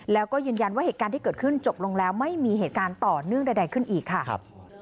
แล้วก็ยืนยันว่าเหตุการณ์ที่เกิดขึ้นจบลงแล้วไม่มีเหตุการณ์ต่อเนื่องใดขึ้นอีกค่ะ